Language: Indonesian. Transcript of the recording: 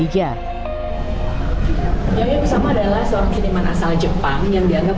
yayoi kusama adalah seorang seniman asal jepang yang dianggap